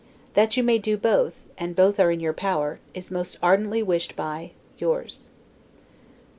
That you may do both (and both are in your power) is most ardently wished you, by Yours.